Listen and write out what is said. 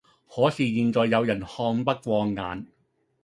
可是現在有人看不過眼